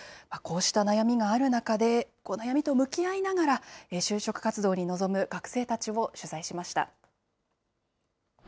こうした悩みがある中で、悩みと向き合いながら、就職活動に臨む学生たちを取材しました。